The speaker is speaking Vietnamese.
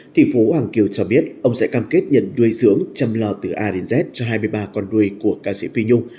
thị phố hoàng kiều cho biết ông sẽ cam kết nhận nuôi dưỡng chăm lo từ a đến z cho hai mươi ba con nuôi của ca sĩ phi nhung